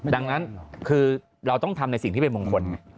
ดังนั้นคือเราต้องทำในสิ่งที่เป็นมงคล